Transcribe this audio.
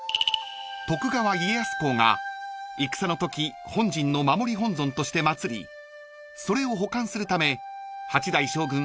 ［徳川家康公が戦のとき本陣の守り本尊として祭りそれを保管するため８代将軍